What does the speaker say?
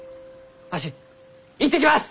わし行ってきます！